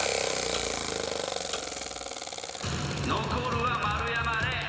残るは丸山礼。